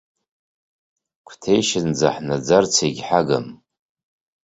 Қәҭешьынӡа ҳнаӡарц егьҳагым.